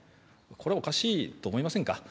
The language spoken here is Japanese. これはおかしいと思いませんか。